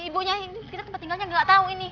ibunya ini kita tempat tinggalnya gak tau ini